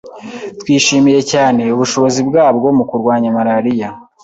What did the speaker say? Twishimiye cyane ubushobozi bwabwo mu kurwanya malaria.